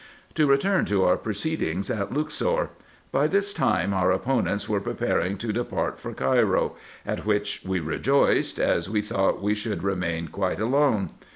To return to our proceedings at Luxor. By this time our opponents were preparing to depart for Cairo, at which we rejoiced, as we thought we should remain quite alone.